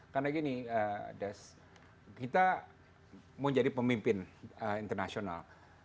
karena gini kita mau jadi pemimpin internasional